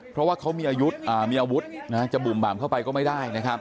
เพราะว่าเขามีอาวุธจะบุ่มบามเข้าไปก็ไม่ได้นะครับ